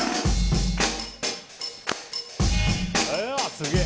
すげえ！